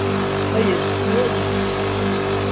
Hayır, biliyor musun?